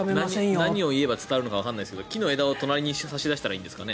何を言えば伝わるかわからないけど木の枝を隣に差し出したらいいんですかね。